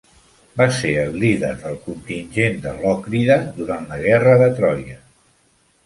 Va ser el líder del contingent de Lòcrida durant la guerra de Troia.